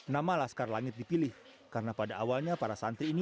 nama laskar langit dipilih karena pada awalnya para santri ini